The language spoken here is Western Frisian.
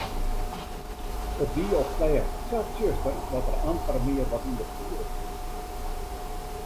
It wie op 't lêst sa tsjuster dat er amper mear wat ûnderskiede koe.